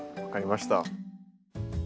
分かりました。